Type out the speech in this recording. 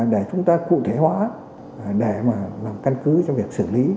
để chúng ta cụ thể hóa để mà làm căn cứ cho việc xử lý